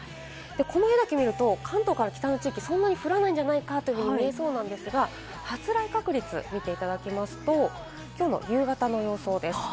この画だけ見ると関東から北の地域、あまり降らないんじゃないかという予想なんですが、発雷確率見ていただきますと、きょうの夕方の予想です。